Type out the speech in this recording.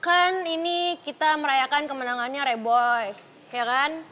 kan ini kita merayakan kemenangannya reboy ya kan